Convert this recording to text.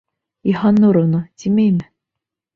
Йыһаннуровна, тимәйме?